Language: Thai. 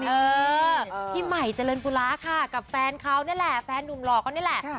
เออพี่ใหม่เจริญปุระค่ะกับแฟนเขานั่นแหละแฟนหนุ่มหลอกเขานี่แหละ